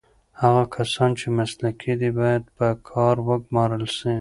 هغه کسان چې مسلکي دي باید په کار وګمـارل سي.